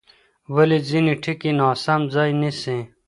ولې ځینې ټکي ناسم ځای نیسي؟